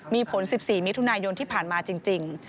มีผล๑๔มิถุนายนที่ผ่านมาจริง